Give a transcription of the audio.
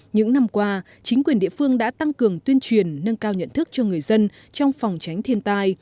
những năm qua chính quyền địa phương đã tăng cường tuyên truyền nâng cao nhận thức cho người dân trong phòng tránh thiên tai